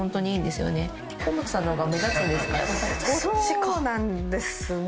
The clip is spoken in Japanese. そうなんですね。